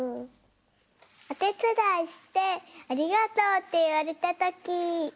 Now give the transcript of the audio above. おてつだいして「ありがとう」っていわれたとき。